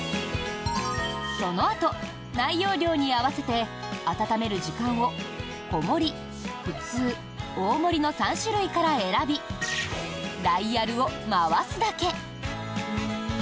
そのあと、内容量に合わせて温める時間を小盛、普通、大盛の３種類から選びダイヤルを回すだけ。